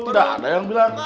tidak ada yang bilang